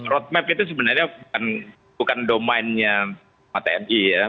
roadmap itu sebenarnya bukan domainnya tni ya